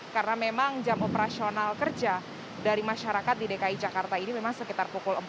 karena memang jam operasional kerja dari masyarakat di dki jakarta ini memang sekitar pukul empat